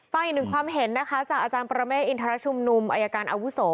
อีกหนึ่งความเห็นนะคะจากอาจารย์ประเมฆอินทรชุมนุมอายการอาวุโส